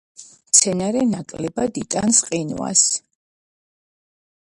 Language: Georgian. მცენარე ნაკლებად იტანს ყინვას.